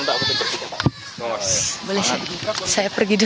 boleh saya pergi dulu